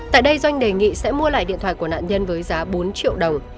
tại đây doanh đề nghị sẽ mua lại điện thoại của nạn nhân với giá bốn triệu đồng